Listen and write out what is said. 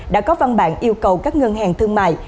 đã có văn bản yêu cầu các ngân hàng thương mại